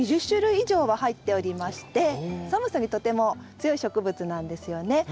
２０種類以上は入っておりまして寒さにとても強い植物なんですよね。